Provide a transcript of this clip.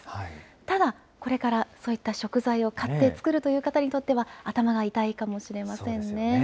ただ、これからそういった食材を買って作るという方にとっては、頭が痛いかもしれませんね。